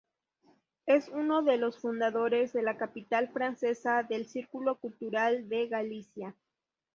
Es uno de los fundadores de la capital francesa del Círculo Cultural de Galicia.